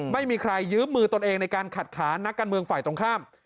ไม่มีใครยืมมือตนเองในการขัดขานักการเมืองฝ่ายตรงข้าม